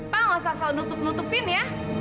pak nggak usah selalu nutup nutupin ya